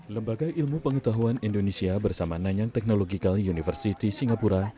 lembaga ilmu pengetahuan indonesia bersama nanyang technological university singapura